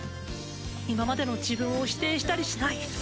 今までの自分を否定したりしない。